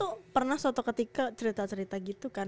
karena suatu ketika cerita cerita gitu kan